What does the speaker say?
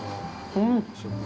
うん！